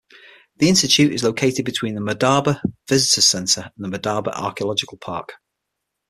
The Institute is located between the Madaba Visitors Center and the Madaba Archaeological Park.